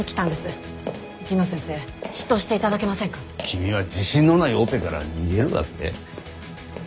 君は自信のないオペから逃げるわけ？